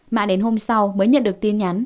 mà đến hôm sau mới nhận được tin nhắn